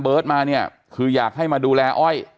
มาเนี่ยคืออยากให้มาดูแลอ้อย